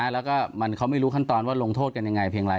แล้วก็เขาไม่รู้ขั้นตอนว่าลงโทษกันยังไงเพียงไร